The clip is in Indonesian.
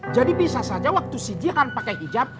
jadi bisa saja waktu si jihan pakai hijab